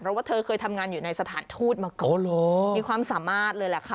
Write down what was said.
เพราะว่าเธอเคยทำงานอยู่ในสถานทูตมาก่อนมีความสามารถเลยแหละค่ะ